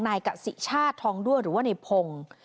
นายกัศิชาติทองด้วยหรือว่าในพงษ์